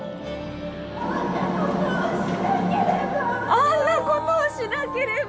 あんなことをしなければ。